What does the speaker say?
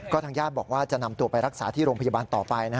ทางญาติบอกว่าจะนำตัวไปรักษาที่โรงพยาบาลต่อไป